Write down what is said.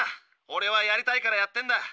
オレはやりたいからやってんだ。